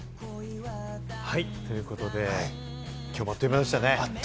ということで、今日もあっという間でしたね。